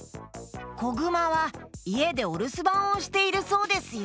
こぐまはいえでおるすばんをしているそうですよ。